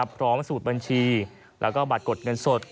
พร้อมสมุทรบัญชีและบัตรกดเงินสด